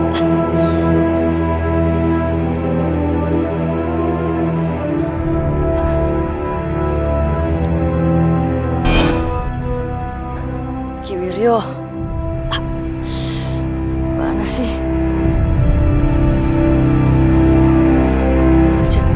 jangan jangan jangan